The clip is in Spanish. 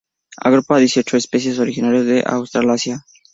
Agrupa a dieciocho especies originarias de Australasia.